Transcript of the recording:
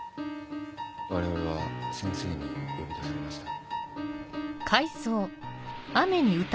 我々は先生に呼び出されました。